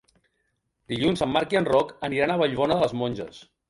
Dilluns en Marc i en Roc aniran a Vallbona de les Monges.